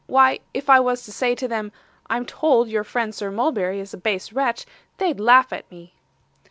Why, if I was to say to them, "I'm told your friend Sir Mulberry is a base wretch," they'd laugh at me.